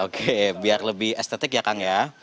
oke biar lebih estetik ya kang ya